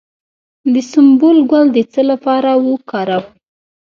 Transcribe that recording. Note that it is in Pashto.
د سنبل ګل د څه لپاره وکاروم؟